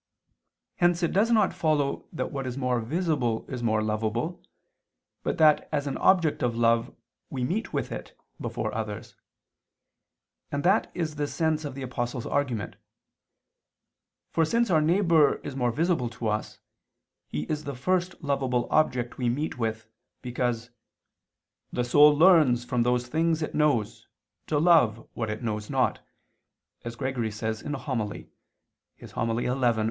Hence it does not follow that what is more visible is more lovable, but that as an object of love we meet with it before others: and that is the sense of the Apostle's argument. For, since our neighbor is more visible to us, he is the first lovable object we meet with, because "the soul learns, from those things it knows, to love what it knows not," as Gregory says in a homily (In Evang.